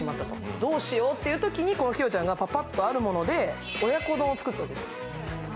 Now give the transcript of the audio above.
どうしようっていうときに、このキヨちゃんがぱぱっとあるもので親子丼を作ったんです。